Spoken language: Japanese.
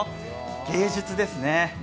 芸術ですね。